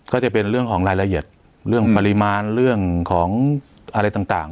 ก็จะเป็นเรื่องของรายละเอียดเรื่องปริมาณเรื่องของอะไรต่าง